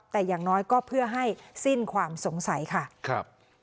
แต่อย่างน้อยก็เพื่อให้สิ้นความสงสัยค่ะครับ